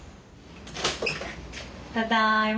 ただいま。